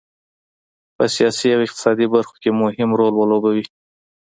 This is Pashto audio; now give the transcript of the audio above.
په سیاسي او اقتصادي برخو کې مهم رول ولوبوي.